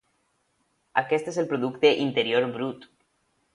Aquest és el producte interior brut.